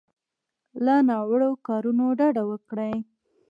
له ناوړو کارونو ډډه وکړي.